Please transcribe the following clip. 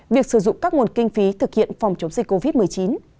việc sử dụng các nguồn kinh phí thực hiện phòng chống dịch covid một mươi chín